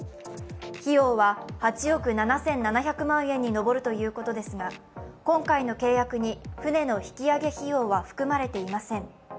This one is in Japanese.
費用は８億７７００万円に上るということですが、今回の契約に船の引き揚げ費用は含まれていません。